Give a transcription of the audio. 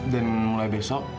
dan mulai besok